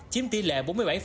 chiếm tỷ lệ bốn mươi bảy